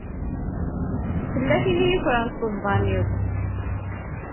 Tella tin i yukren ṭṭezḍam-iw.